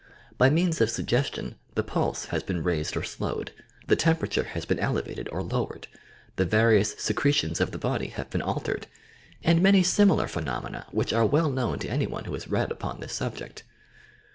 By means of suggestion, the pulse has been raised or slowed, the temperature has been elevated or lowered, the various I secretions of the body have been altered, and many similar phenomena which are well known to any one who has read upon this subject.